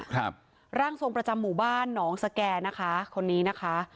ครับร่างทรงประจำหมู่บ้านหนองสแก่นะคะคนนี้นะคะ